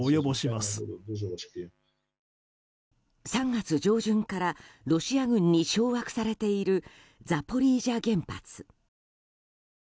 ３月上旬からロシア軍に掌握されているザポリージャ原発。